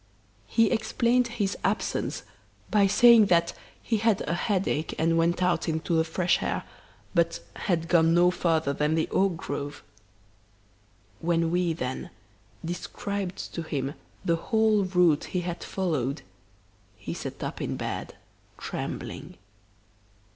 He explained his absence by saying that he had a headache and went out into the fresh air, but had gone no further than the oak grove. When we then described to him the whole route he had followed, he sat up in bed trembling.